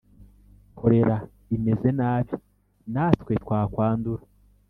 "Kolera imeze nabi natwe twakwandura